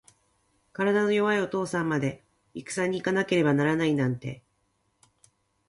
体の弱いお父さんまで、いくさに行かなければならないなんて。